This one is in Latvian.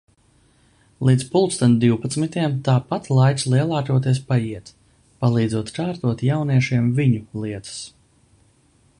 Līdz pulksten divpadsmitiem tāpat laiks lielākoties paiet, palīdzot kārtot jauniešiem viņu lietas.